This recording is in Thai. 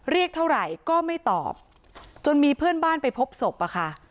เรียกเท่าไหร่ก็ไม่ตอบจนมีเพื่อนบ้านไปพบศพอะค่ะ